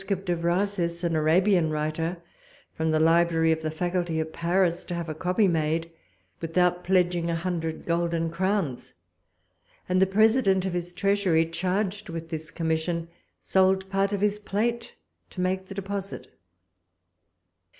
of Rasis, an Arabian writer, from the library of the Faculty of Paris, to have a copy made, without pledging a hundred golden crowns; and the president of his treasury, charged with this commission, sold part of his plate to make the deposit.